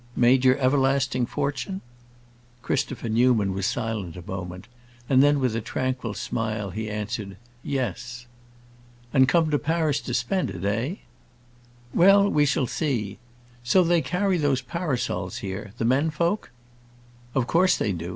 "Made your everlasting fortune?" Christopher Newman was silent a moment, and then with a tranquil smile he answered, "Yes." "And come to Paris to spend it, eh?" "Well, we shall see. So they carry those parasols here—the men folk?" "Of course they do.